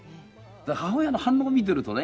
母親の反応を見ているとね